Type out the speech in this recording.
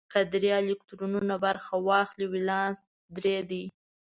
که درې الکترونه برخه واخلي ولانس درې دی.